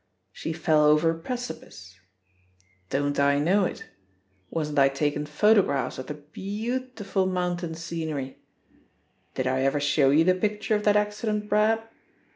She fell over a precipice. Don't I know it? Wasn't I takin' photographs of the bee utiful mountain scenery? Did I ever show you the picture of that accident, Brab?